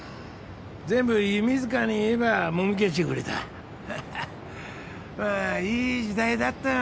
全部弓塚に言えばもみ消してくれたハハまあいい時代だったよ